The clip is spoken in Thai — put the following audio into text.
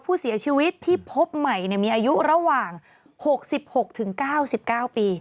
ผู้เสียชีวิตที่พบใหม่มีอายุระหว่าง๖๖๙๙ปี